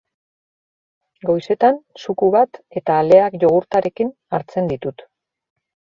Goizetan zuku bat eta aleak jogurtarekin hartzen ditut.